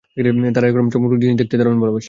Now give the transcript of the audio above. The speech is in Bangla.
তারা এরকম চমকপ্রদ জিনিস দেখতে দারুণ ভালোভাসে!